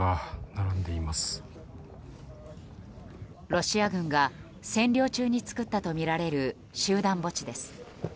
ロシア軍が占領中に作ったとみられる集団墓地です。